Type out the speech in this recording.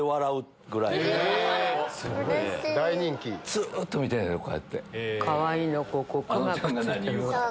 ずっと見てんねんこうやって。